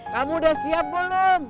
kamu udah siap belum